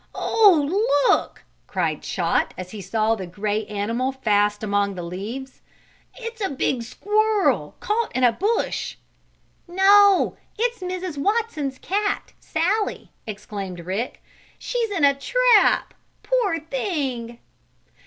"Oh, look!" cried Chot, as he saw the gray animal fast among the leaves. "It's a big squirrel, caught in a bush!" "No, it's Mrs. Watson's cat, Sallie!" exclaimed Rick. "She's in a trap! Poor thing!"